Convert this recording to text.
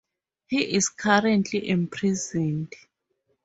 He is currently imprisoned.